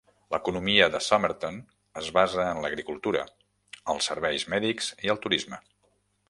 L'economia de Somerton es basa en l'agricultura, els serveis mèdics i el turisme.